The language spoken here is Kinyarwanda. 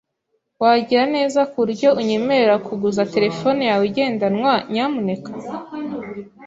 Wagira neza kuburyo unyemerera kuguza terefone yawe igendanwa, nyamuneka?